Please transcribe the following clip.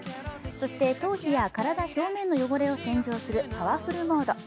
そして頭皮や体表面の汚れを洗浄するパワフルモード。